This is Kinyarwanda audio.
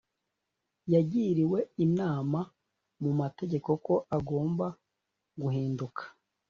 yagiriwe inama mu mategeko ko agomba guhinduka